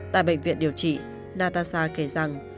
tại bệnh viện điều trị natasha kể rằng